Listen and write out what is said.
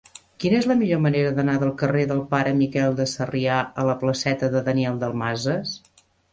Quina és la millor manera d'anar del carrer del Pare Miquel de Sarrià a la placeta de Daniel Dalmases?